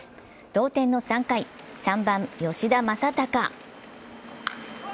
同点の３回、３番・吉田正尚。